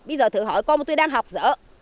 bây giờ thử hỏi con bà tôi đang học giờ